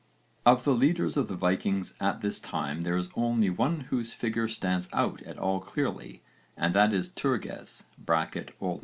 Of the leaders of the Vikings at this time there is only one whose figure stands out at all clearly, and that is Turges (O.N.